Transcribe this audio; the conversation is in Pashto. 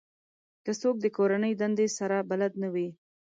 که څوک د کورنۍ دندې سره بلد نه وي